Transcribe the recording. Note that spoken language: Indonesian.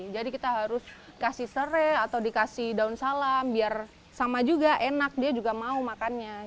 jadi kita harus kasih serai atau dikasih daun salam biar sama juga enak dia juga mau makannya